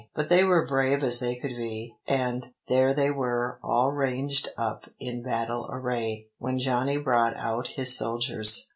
But they were brave as they could be, and there they were all ranged up in battle array when Johnny brought out his soldiers.